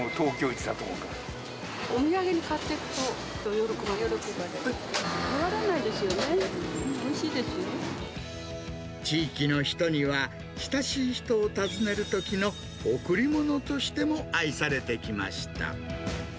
お土産に買っていくと、変わらないですよね、おいし地域の人には、親しい人を訪ねるときの贈り物としても愛されてきました。